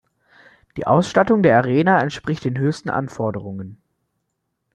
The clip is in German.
Die Ausstattung der Arena entspricht den höchsten Anforderungen.